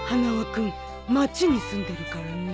君町にすんでるからね。